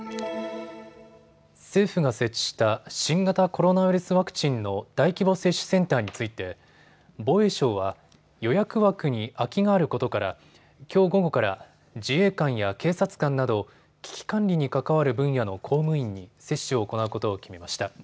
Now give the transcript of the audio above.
政府が設置した新型コロナウイルスワクチンの大規模接種センターについて防衛省は予約枠に空きがあることからきょう午後から自衛官や警察官など危機管理に関わる分野の公務員に接種を行うことを決めました。